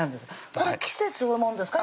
これ季節のもんですか？